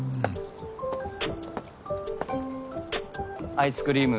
・アイスクリーム